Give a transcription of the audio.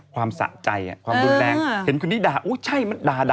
ความสะใจความรุนแรงเห็นคนนี้ด่าโอ๊ยใช่มันด่าต่อไป